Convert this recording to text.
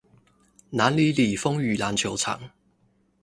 南里里風雨籃球場